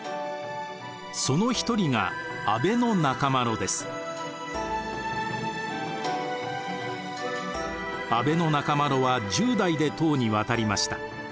その一人が阿倍仲麻呂は１０代で唐に渡りました。